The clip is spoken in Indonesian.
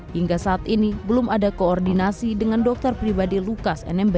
hingga saat ini belum ada koordinasi dengan dokter pribadi lukas nmb